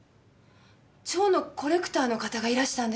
蝶のコレクターの方がいらしたんです。